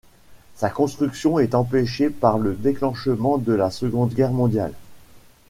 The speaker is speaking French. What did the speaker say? Sa construction est empêchée par le déclenchement de la Seconde Guerre mondiale.